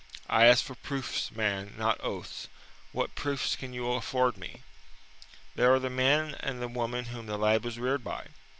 "I ask for proofs, man, not oaths. What proofs can you afford me?" "There are the man and the woman whom the lad was reared by."